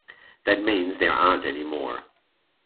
That means, there aren’t any more.